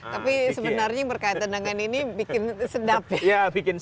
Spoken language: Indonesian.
tapi sebenarnya yang berkaitan dengan ini bikin sedap ya